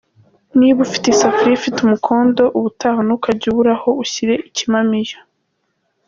Niba ufite isafuriya ifite umukondo ubutaha ntukajye ubura aho ushyira ikimamiyo.